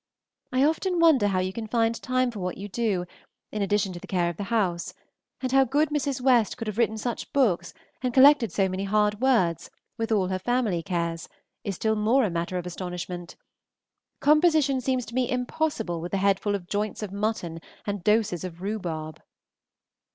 I often wonder how you can find time for what you do, in addition to the care of the house; and how good Mrs. West could have written such books and collected so many hard words, with all her family cares, is still more a matter of astonishment. Composition seems to me impossible with a head full of joints of mutton and doses of rhubarb.